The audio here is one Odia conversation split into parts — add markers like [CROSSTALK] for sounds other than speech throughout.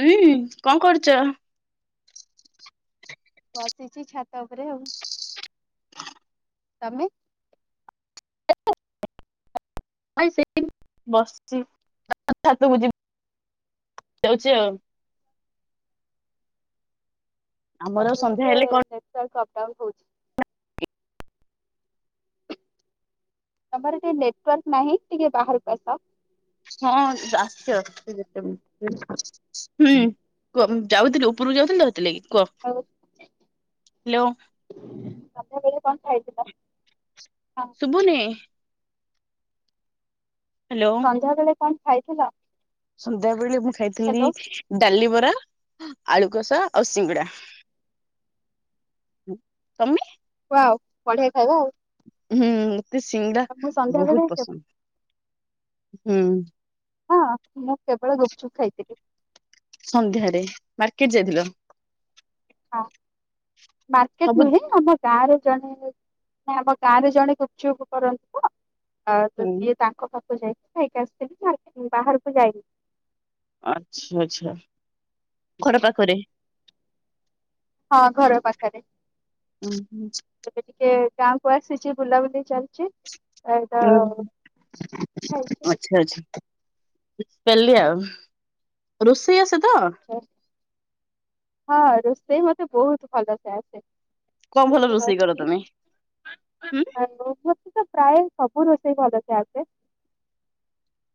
ହୁଁ କଣ କରୁଛ? ବସିଛି ଛାତ ଉପରେ ଆଉ ତମେ? [UNINTELLIGIBLE] ଭାଇ ସେ ବସିଛି ଛାତକୁ ଯିବି ଯାଉଛି ଆଉ ଆମର ସେପଟେ ସନ୍ଧ୍ୟା ଟିକେ ହେଲେ କଣ ନେଟୱର୍କ କମ୍ [UNINTELLIGIBLE] ତମର ଟିକେ ନେଟୱର୍କ ନାହିଁ ଟିକେ ବାହାରକୁ ଆସ ହଁ ଆଶୁଛି ଆଶୁଛି [UNINTELLIGIBLE] [UNINTELLIGIBLE] ହୁଁ ଯାଉଥିଲି ଉପରକୁ ଯାଉଥିଲି ତ ସେଥିଲାଗି କ ଆଉ ହ୍ୟାଲୋ ସନ୍ଧ୍ୟା ବେଳେ କଥା ହେଇଥିବା ସୁଭୁନି ହ୍ୟାଲୋ। ସନ୍ଦ୍ୟବେଳେ କଣ ଖାଇଥିଲ ସନ୍ଧ୍ୟା ବେଳେ ମୁଁ ଖାଇଥିଲି ହ୍ୟାଲୋ ଡାଲି ବରା ଆଳୁକସା ଆଉ ସିଙ୍ଗଡା ତମେ ଆଉ ପଢିଆ ଖାଇବା ଆଉ ହୁଁ ମତେ ସିଙ୍ଗଡ଼ା ମୁଁ ସନ୍ଧ୍ୟାବେଳେ ବହୁତ କେ ପସନ୍ଦ ହୁଁ ହଁ ମୁଁ କେବଳ ଗୁପଚୁପ ଖାଇଥିଲି ସନ୍ଧ୍ୟାରେ ମାର୍କେଟ ଯାଇଥିଲ ହଁ ମାର୍କେଟ ସବୁ ନୁହେଁ ଆମ ଗାଁର ଜଣେ ଆମ ଗାଁରେ ଜଣେ ଗୁପଚୁପ କରନ୍ତି ତ ଅ ତ ହୁଁ ସିଏ ତାଙ୍କ ପାଖ ଯାଇ ଖାଇକି ଆସିି ଯାଇ ବାହାରକୁ ଯାଇନି [UNINTELLIGIBLE] ଆଚ୍ଛା ଆଛା ଘର ପାଖରେ ହଁ ଘର ପାଖରେ ଓୁ ହ ଗାଁ କୁ ଆସିଛି ବୁଲାବୁଲି ଚାଲିଛି ଏ ତ ହ ଖାଇଛି ଆଚ୍ଛା ଆଚ୍ଛା କଲିଆ ରୋଷେଇ ଆ [INAUDIBLE] ସେ ତ ଆଉ। ହଁ ରୋଷେଇ ମତେ ବହୁତ ଭଲସେ ଆସେ କଣ ଛି ଭଲ ରୋଷେଇ କର ତମେ? ହୁଁ ତ ପ୍ରାୟ [UNINTELLIGIBLE] ସବୁ ରୋଷେଇ ଭଲସେ ଆସେ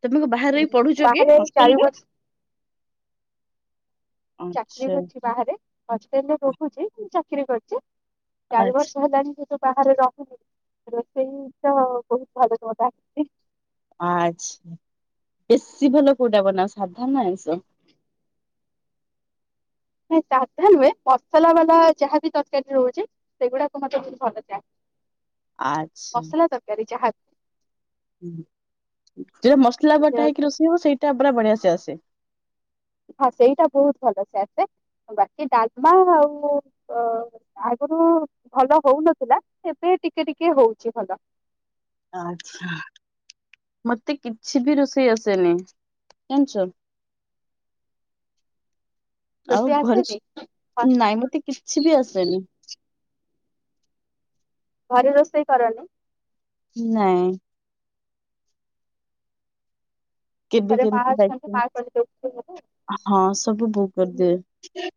ତମେକୁ ବାହ ପଢୁଛ କି ବାହାରେ ଚାରି ହଷ୍ଟେଲରେ ବର୍ଷ ଆଛା ହଷ୍ଟଲ ରେ ରହିଚି ଚାକିରରି କରୁଛି ଚାରି ଆଚ୍ଛା। ବର୍ଷ ବାହାରେ ରହୁନି ରୋଷେଇତ ବୋହୁତ ଭଲରେ ଆସିଚି। ଆଚ୍ଛା ବେଶି ଭଲ କୋଉଟା ବନାଆ ସାାଧା ନା ଆଇଁଷ? ନାଁଇ ସାଧା ନୁହେଁ ମସଲା ବାଲା ଯାହାବି ତରକାରୀ ରହୁଚି ସେଗୁଡାକୁ ମତେ ବୋହୁତ ଭଲସେ ଆ ମସଲା ତରକାରୀ ଯାହା ଯୋଟା ମସଲା ବଟା ଯାହା ହେଇକି ରୋଷେଇ ହବ ସେଇଟା ପୁରା ବଢିଆ। ଚାସେ। ହଁ ସେଇଟା ବହୁତ ଭଲ ସେ ଆସେ ବାକି ଡାଲମା ଆଉ ଆଗରୁ ଭଲ ହଉନଥିଲା ଏବେ ଟିକେ ଟିକେ ହଉଛି ଭଲ। ଆଛା। ମୋତେ କିଛି ବି ରୋଷେଇ ଆସେନି ଜାଣିଛ। ଆଉ ରୋଷେଇ ଘରେ ଆସେନି ସବୁ। ନାଇଁ ମୋତେ କିଛି ବି ଆସେନି। ଘରେ ରୋଷେଇ କରନି? ନାଇଁ। କେବେ ଘରେ ମା କେମିତି ଅଛନ୍ତି ଯାଇ। ମା କରିଦଉଛନ୍ତି ହଁ ସବୁ ଦିନ। କରିଦିଏ।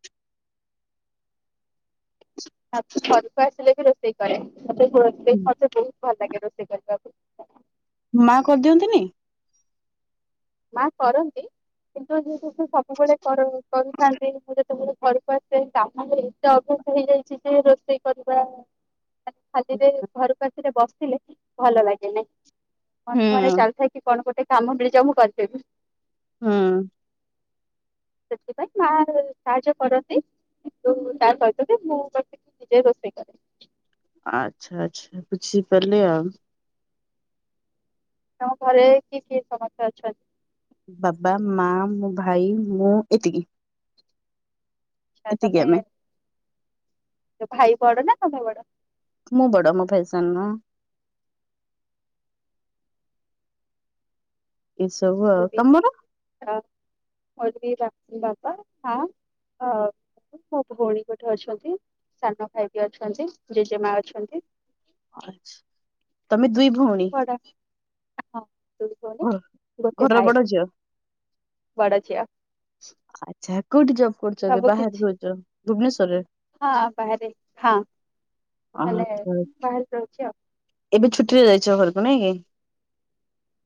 ତା ଘରକୁ ଆସିଲେ ବି ରୋଷେଇ। ସେ କରେ। ମୋତେ ମୋତେ ବହୁତ ଭଲ ଲାଗେ ରୋଷେଇ କରିବାକୁ। ମା କରିଦିଅନ୍ତିନି? ମା କରନ୍ତି କିନ୍ତୁ ଯେ - ସବୁବେଳେ କରନ୍ତି କରିଥାନ୍ତି ମୁଁ - ଘରକୁ ଆସେ କାମ ଏତେ ଅଭ୍ୟାସ ହେଇଯାଇଛି ଯେ ରୋଷେଇ କରିବା- ଖାଲିରେ ଘରକୁ ଆସିଲେ ବସ- ଦେଖିଲେ ଭଲ ଲାଗେ ନାଇଁ। ମ ହୁଁ ମାନେ ଚାଲିଥାଏକି କଣ ଗୋଟେ- କାମ ମିଳିଯାଉ ମୁଁ କରି- ସେ ବି। ହୁଁ। ସେଥିପାଇଁ ମା ସାହାଯ୍ୟ କରନ୍ତି କିନ୍ତୁ ତାର ସହିତ ବି ମୁଁ ନିଜେ ରୋଷେଇ କରେ। ଆଚ୍ଛା ଆଚ୍ଛା ବୁଝି ପାରିଲି ଆଉ। ତମ ଘରେ କିଏ କିଏ ସମସ୍ତେ ଅଛନ୍ତି? ବାବା ମା, ମୋ ଭାଇ, ମୁଁ ଏତିକି। ଆଛା ଏତିକି ତମେ- ଆମେ ଭାଇ ବଡ ନା ତମେ ବଡ? ମୁଁ ବଡ ମୋ ଭାଇ ସାନ ନା। ଏସବୁ ଆଉ। ମୁଁ ବି ତମର? ଅ ମୋର ବି ବା ବାପା, ମା, ମୋ ଭଉଣୀ ଗୋଟେ ଅଛନ୍ତି। ସାନ ଭାଇ ବି ଅଛନ୍ତି। ଜେଜେମା ଅଛନ୍ତି। ଆଛା। ତମେ ଦୁଇ- ଭଉଣୀ ବଡ ଭଉଣୀ। [UNINTELLIGIBLE] ଘ- ଗୋଟେ ଘରର ଭାଇ ବଡ ଝିଅ ବଡ ଝିଅ। ଆଚ୍ଛା। କଉଠି ଜବ୍ କରୁଛନ୍ତି ସବୁ ବାହାର କିଛି ରହୁଛ ଭୁବନେଶ୍ଵରରେ ହଁ ବାହାରେ ହଁ [INAUDIBLE] ଆଛା ମାନେ ଆଛା ବାହାରେ ରହୁଛି ଆଉ। [INAUDIBLE] ଏବେ ଛୁଟିରେ ଯାଇଛ ଘରକୁ ନାଇଁ କି।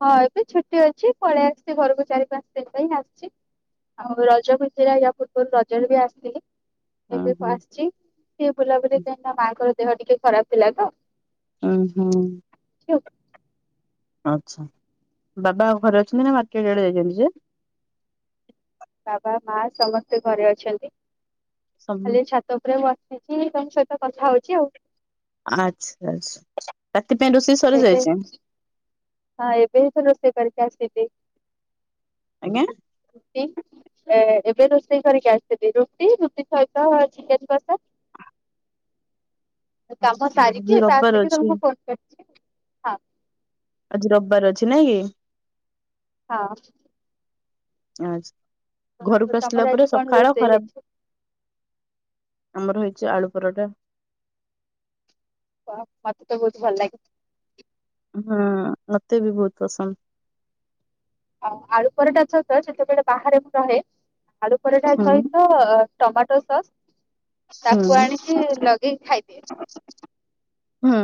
ହଁ ଏବେ ଛୁଟି ଅଛି ପଳେଇ ଆସିଛି ଘରକୁ ଚାରି ପାଞ୍ଚ ଦିନ ପାଇଁ ଆସିଛି ଆଉ ରଜ ଛୁଟିରେ ୟା ପୂର୍ବରୁ ରଜରେ ବି ଆସିଥିଲି। ଉଁ ଏବେକୁ ହୁଁ ଆସିଛି ଟିକେ ବୁଲାବୁଲି ସେନା ମାଙ୍କର ଦେହ ଟିକେ ଖରାପ ଥିଲା ତ ଓହୋ। ଅଛି ଆଉ ଆଛା ବାବା ଘରେ ଅଛନ୍ତି ନା ମାର୍କେଟଡେ ଯାଇଛନ୍ତି। ସେ [INAUDIBLE] ବାବା ମା ସମସ୍ତେ ଘରେ ଅଛନ୍ତି। ସମ- ଖାଲି ଛାତ ଉପରେ ବସିଛି [UNINTELLIGIBLE] କଥା ହଉଛି ଆଉ ଆଛା ଆଚ୍ଛା। ସେଥିପାଇଁ ରୋଷେଇ ଏବେ ସରିଯାଇଛ। ହଁ ଏବେତ ରୋଷେଇ କରିକି ଆସିଲି। ଆଜ୍ଞା? [INAUDIBLE] ଏ ଏବେ ରୋଷେଇ କରିକି ଆସିିଲି ରୁଟି ରୁଟି ସହିତ ଚିକେନ ବସା। [INAUDIBLE] କାମ ଆଚ୍ଛା, ଆଜି ସାରିକି ଏବେ ରବିବାର ଆସିକି ଅଛି ତମକୁ ଫୋନ କରିଛି ଆଉ ହଁ। ଆଜି ରବିବାର ଅଛି ନାଇଁ କି। ହଁ। ଆଚ୍ଛା। ଘରକୁ ଆସିଲା ତମର ପରେ ଆଜି କଣ ସକାଳ ରୋଷେଇ ଖରାପ ହେଇଛି? [INAUDIBLE] ଆମର ହେଇ ଛି ଆଳୁ ପରଟା। [INAUDIBLE] ହ ମତେ ତ ବହୁତ ଭଲ ଲାଗେ ହଁ ମତେ ବିହୁତ ପସନ୍ଦ। ଆ ଆଳୁ ପରଟାଛ ତ ଯେତେବେଳେ ବାହାରେକୁ ରହେ ଆଳୁ ପରଟା ହୁଁ ସହିତ ଅ ଟମାଟୋ ସସ୍। ହୁଁ ତାକୁ ଆଣିକି ଲଗେଇକି ଖାଇଦିଏ। [INAUDIBLE] ହୁଁ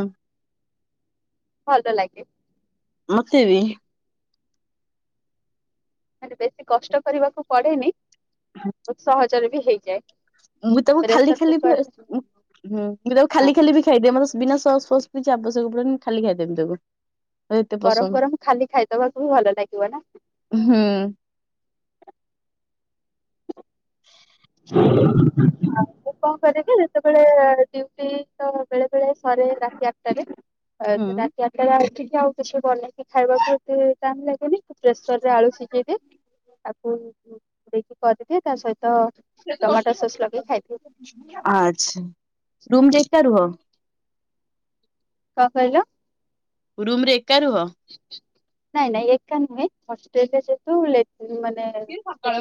ଭଲ ଲାଗେ। ମତେ ବି। ମ ବେଶୀ କଷ୍ଟ କରିବାକୁ ପଡେନି। ବହୁତ ସହଜ। ଏଟାରେ ବି ହେଇଯାଏ। ମୁଁ ତାକୁ ଖାଲି ପ୍ରେସର ଖାଲି ବିଁ କୁକର ମୁଁ ତାକୁ ହଁ ଖାଲି ଖାଲି ବି ଖାଇଦିଏ ମୋର ବିନା କିଛି ଆବଶ୍ୟକ ପଡ଼ନ ଖାଲି ଖାଇଦେଵି ତାକୁ। ମତେ ଏତେ ଗରମ ପସନ୍ଦ ଗରମ ଖାଲି ଖାଇଦବାକୁ ବି ଭଲ ଲାଗିବ ନା। [INAUDIBLE] ହୁଁ ହୁଁ। ଆଉ ମୁଁ କଣ କର କି ଯେତେବେଳେ ଡୁଟି ତ ବଳେ ତଳେ ଶହେ ରାତି ଆଠଟାରେ ହୁଁ ରାତି ଆଠଟା ଆଉ କିଛି ବନେଇକି ଖାଇବାକୁ ଏତେ ଟାଇମ୍ ଲାଗେନି ପ୍ରେସରରେ ଆଳୁ ସିଝେଇଦିଏ ତାକୁ ଦେଇକି କରିଦିଏ ତା ସହିତ। ଟମାଟୋ ସସ୍ ଲଗେଇ ଖାଇଦିଏ ଆଛା ରୁମ ଯେଷ୍ଟଟା ରୁହ। କଣ କହିଲ? ରୁମରେ ଏକ କରହ ନାଇ ନାଇ ଏକା ନୁହେଁ ଅଷ୍ଟ୍ରେଲିଆ ଯେ ତୁ [UNINTELLIGIBLE]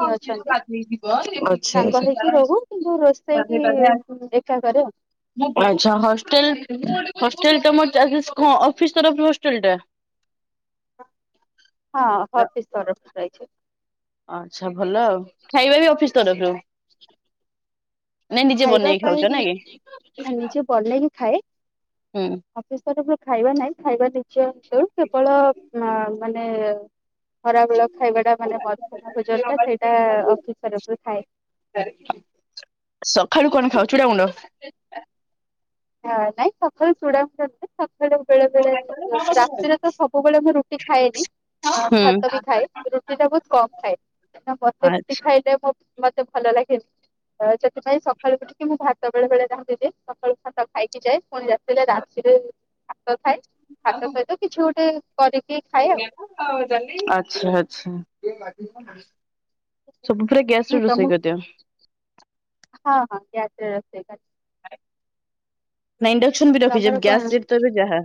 ହିଁ ଅଛନ୍ତି ଆଛା ସାଙ୍ଗ ହେଇକି ରହୁ ହଷ୍ଟେଲ କିନ୍ତୁ ରୋଷେଇ ହସ୍ ଏକା କରେ ଆଉ। ହ ଅଫିସ ତରରୁ ହଷ୍ଟେଲ ଟା ହଁ ଅଫିସଛି ଆଚ୍ଛା। ଭଲ ଆଉ ଖାଇବା ବି ଅଫିସ୍। ତରଫରୁ ନାଇଁ ନିଜେ ଖାଇବା ବନେଇକି ପାଇଁ ଖାଉଛ ନାଇଁ କି? ନିଜେ ବନ ହିଁ ଖାଏ, ହୁଁ ଅଫିସର ଖାଇବା ନାଇଁ ଖାଇବା ନି। କେବଳ ମା ମାନେ ଖରାବେଲୁ ଖାଇବା ଟା ମାନେ ମଧ୍ୟାହ୍ନ ଭୋଜତା ସେଇଟା ଅଫିସରଫରୁ ଥାଏ। ସକାଳୁ କଣ ଖାଅ ଚୁଡା ଗୁଣ୍ଡ। ହଁ ନାଇଁ ସକଳୁ ଚୁଡ଼ା ଗୁଣ୍ଡ ନାଇଁ। ବେଳେ ବଳେ ରାତିରେ ତ ସବୁବେଳେ ମୁଁ ରୁଟି ଖାଏନି ହୁଁ ଭାତ ବି ଖାଏ ରୁଟି ଟା ବହୁତ କମ ଖାଏ, ମତେ ରୁଟି ଆଚ୍ଛା। ଖାଇଲେ ମୋ ମତେ ଭଲ ଲାଗେନି ତ ସେଥିପାଇଁ ସକାଳୁ ଟିକେ ମୁଁ ଭାତ ବେଳେ ବେଳେ ରାନ୍ଧି ଦିଏ ସକାଳୁ ସା ଖାଇକି ଯାଏ ପୁଣି ରାତିରେ ଆସିଲେ କରିକି ଖାଏ ଆଉ ଆଚ୍ଛା ଆଚ୍ଛା। [UNINTELLIGIBLE] ସବୁ ଥିରେ ଗ୍ୟାସରେ ରୋଷେଇ ତମ କରିଦିଅ। ରେ ରୋଷେଇ କରେ। [UNINTELLIGIBLE] ନାଁ ଇଣ୍ଡକ୍ସନ୍ ବି ରଖିଚ ତମର କଣ ଗ୍ୟାସ୍ ସିପ୍ ତ ଏବେ ଯାହା।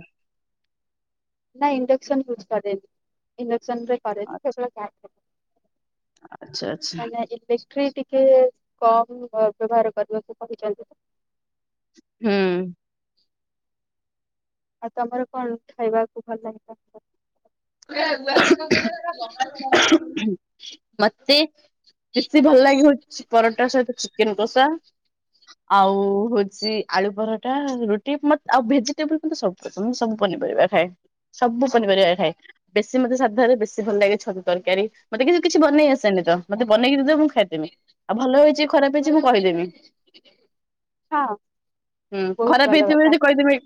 ନା ଇଣ୍ଡକ୍ସନ ୟୁଜ୍ କରେନି ଇ ଣ୍ଡେକ୍ସନ୍ ରେ କରେନି କେବଳ ଗ୍ୟା ଆଚ୍ଛା ଆଚ୍ଛା ଆଜ୍ଞା ଏତେ ଷ୍ଟ୍ରିଟ୍। ଟିକେ କମ୍ ଅ ବ୍ୟବହାର କରିବାକୁ କହିଚନ୍ତି। ହୁଁ। ଆଉ ତମର କଣ ଖାଇବାକୁ ଭଲ ଲା ମତେ ବେଶୀ ଭଲ ଲାଗେ ହଉଚି ପରଟା ସହିତ ଚି କେନ୍ କସା ଆଉ ହଉଛି ଆଳୁ ପରଟା ରୁଟି ମ ଆଉ ଭେଜିଟେବୁଲ୍ ସବୁ ପସନ୍ଦ ମୁଁ ସବୁ ପନିପରିବା ଖାଏ। ସବୁ ପନିପରିବା ଖାଏ। ବେଶୀ ମତେ ସାଧାରେ ବେଶୀ ଭଲ ଲାଗେ ଛତୁ ତର୍କାରୀ ମତେ କି କିଛି ବନେଇ ଆସେନି ତ ମତେ ବନଇକି ଦେଇଦବ ମୁଁ ଖାଇଦେମି ଆଉ ଭଲ ହେଇଚି ଖରାପ ହେଇଛି ମୁଁ କହିଦେବି ହଁ ହୁଁ ବହୁତ ଖରାପ ଭଲ ହେଇଥିବି କଥା ଯଦି କହିଦେବି ଏ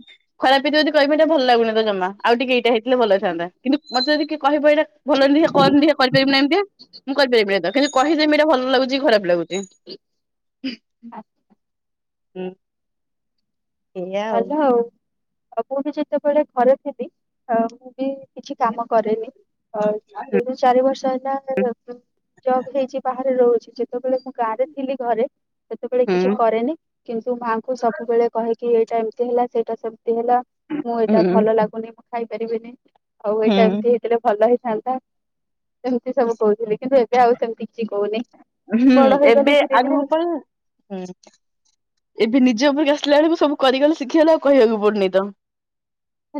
ଖରାପ୍ ହେଇଥିବ ଯଦ କହିବି ଭଲଲାଗୁନି ତ ଜମା ଆଉ ଟିକେ ଏଇଟା ହେ ଥିଲେ ଭଲହେଇଥାନ୍ତା। ମତେ ଯଦି କିଏ କହିବ ଏଇଟା ଭଲହେଇନି ଦେଖିଆ କର୍ନି ଦେଖିଆ। କରିପାରିବୁନା ଏମିତିଆ ମୁଁ କରିପାରିବିନି ତ କିନ୍ତୁ କହିଦେବି ଏଇଟା ଭଲ ଲାଗୁ ଚି ଖରାପ ଲାଗୁ ଚି ଆ, ହୁଁ। ଏୟା ଆଉ। ମୁଁ ବି ଯେତେବେଳେ ଘରେ ଥିଲି ଅ ମୁଁ ବି କିଛି କାମ କରେନି। ଆ ତିନି ଚାରି ବର୍ଷ ହେଲା [UNINTELLIGIBLE] ଜବ ହେଇଛି ବାହାରେ ରହୁ ଯେ ଯେତେବେଳେ ମୁଁ ଗାଁ ରେ ଥିଲି ଘରେ ସେତେବେଳେ କିଛି ହୁଁ କରେନି। କିନ୍ତୁ ମାଙ୍କୁ ସବୁବେଳେ କହେ କିଏ। ଏମିତି ହେଲା। ସେଇଟା ସେମ ସେତ ହେଲା ମୁଁ ଏଇଟା ହୁଁ ଭଲ ଲାଗୁନି ଖାଇ ପାରିବେନି। ଆଉ ଏଇଟା ହୁଁ ଏମିତି ହେଇଥିଲେ ଭଲ ହେଇ ହେଇଥାନ୍ତା ସେମିତି ସବୁ କହୁଥିଲେ କିନ୍ତୁ ଏବେ ଆଉ ସେମିତି କିଛି କହୁନି। ହୁଁ ବଡ ହେଇଗଲି ଏବେ ଧୀରେ ଧୀରେ ଆଗ ମୁ ପ ହୁଁ ଏବେ ନିଜ ଉପରେ ଆସିଲା ବେଳକୁ ସବୁ କରିଗଲେ ଶିଖିଗଲା ଆଉ କହିବାକୁ ପଡୁନି ତ।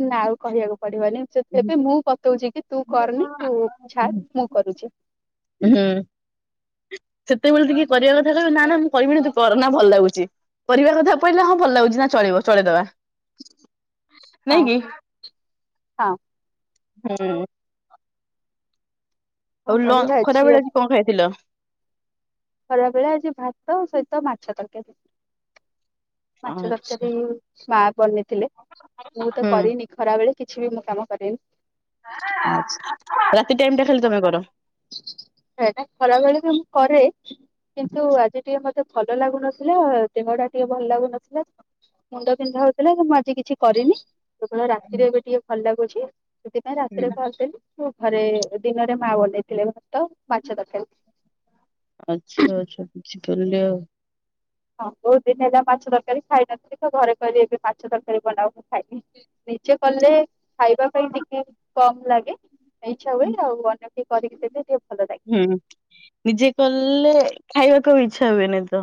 ନା ଆଉ କହିବାକୁ ପଡିବନି ସେଥିବେ ମୁଁ ପତଉଛି କି ତୁ କରନି ତୁ ଛାଡେ ମୁଁ କରୁଛି। ହୁଁ ସେତେବେଳେ ଟିକେ କରିବା କଥା କହିବି ନା ନା ମୁଁ କରିବିିନି ତ କର ନା ଭଲ ଲାଗୁଛି କରିବା କଥା ପହିଲେ ହଁ ଭଲ ଲାଗୁଛି ନା ଚଳିବ ଚଳେଇଦବା। ନାଇଁ ହଁ କି? ହଁ। ହୁଁ। କଣ ଆଉ କରିବା ଖରାବେେଳେ କି କଣ ଖାଇଥିଲା? ଖରା ବେଳେ ଆଜି ଭାତ ସହିତ ମାଛ ତରକାରୀ। ମାଛ ଆଚ୍ଛା ତରକାରୀ ସ୍ୱା ବ ଥିଲେ ମୁଁ ତ ହୁଁ କରିନି ଖରା ବେଳେ କିଛି ବି ମୁଁ କାମ ରାତି ଟାଇମ କରିରେନି ଟା ଖାଲି ତମେ କର। ନାଇ ନାଇ ଖରାବେେଳେ ବି ମୁଁ କରେ କିନ୍ତୁ ଆଜି ଟିକେ ମତେ ଭଲ ଲାଗୁନଥିଲା ଦିନ ଟା ଟିକେ ଭଲ ଲାଗୁନଥିଲା ମୁଣ୍ଡ ବିିନ୍ଧା ହଉଥିଲା କି ମୁଁ ଆଜି କିଛି କରିନି କଣ ରାତିରେ ଏବେ ଟିକେ ଭଲ କହୁଛି। ସେି ପାଇଁାଇଁ ରାତିରେ କହ ଘରେ ଦିନରେ ମା ବେଇ ଥିଲେ ତ ବାକାର ଆଚ୍ଛା ଆଛା କିଛି କରିଲ। ହଁ ବହୁଉତ ଦିନ ହେଲା ମାଛ ତରକାରୀ ଖାଇନଥିଲି ତ ଘରେ କରିହ ଏବେ ମାଛ ତରକାରୀ ବନାଉ ମୁ ଖାଇନି ନିଜେ କଲେ ଖାଇବା ପାଇଁ ଟିକେ କମ ଲାଗେ ଇଚ୍ଛା ହୁଏ ଆଉ ଅନ୍ୟ ଟିକେ କରିକି ଦେବେ ଟିକେ ଭଲ ଲାଗେ ହୁଁ ନିଜେ କଲେ ଖାଇବାକୁ ଇଚ୍ଛା ହୁଏନିଁ ତ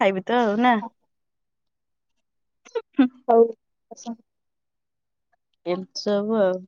ଖାଇବା। ତଉ ନା ଲାଗେ ହ ହଉ ଆସ। ଏସବ